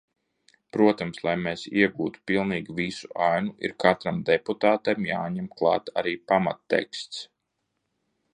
Protams, lai mēs iegūtu pilnīgi visu ainu, ir katram deputātam jāņem klāt arī pamatteksts.